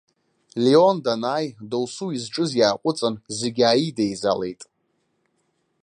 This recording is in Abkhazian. Леон данааи, дасу изҿыз иааҟәыҵын, зегь ааидеизалеит.